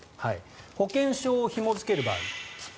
保険証をひも付ける場合。